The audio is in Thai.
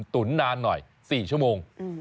ตุ๋นนานหน่อย๔ชั่วโมง